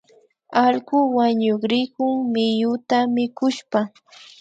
Allku wañukrikun miyuta mikushpa